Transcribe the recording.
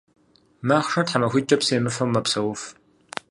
Махъшэр тхьэмахуитIкIэ псы емыфэу мэпсэуф.